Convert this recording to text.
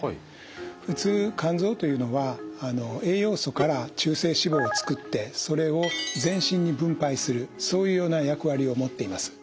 普通肝臓というのは栄養素から中性脂肪を作ってそれを全身に分配するそういうような役割を持っています。